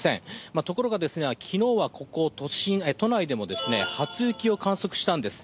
ところが、昨日はここ都内でも初雪を観測したんです。